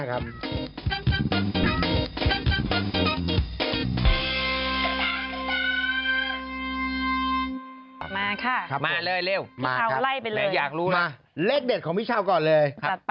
รัวเล่ระกเด็ดของพี่เช้าก่อนเลยครับ